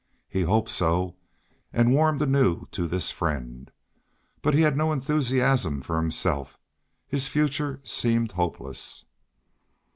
He hoped so, and warmed anew to this friend. But he had no enthusiasm for himself; his future seemed hopeless.